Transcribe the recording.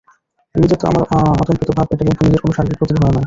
এই যে আমার আতঙ্কিত ভাব এটা কিন্তু নিজের কোনো শারীরিক ক্ষতির ভয়ে নয়।